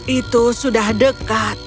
itu sudah dekat